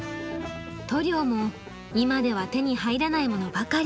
塗料も今では手に入らないものばかり。